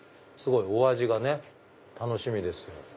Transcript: すごいお味が楽しみですよ。